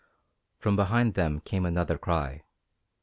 From behind them came another cry.